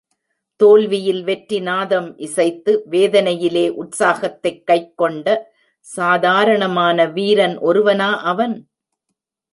தோல்வியில் வெற்றி நாதம் இசைத்து, வேதனையிலே உற்சாகத்தைக் கைக்கொண்ட சாதாரணமான வீரன் ஒருவனா அவன்?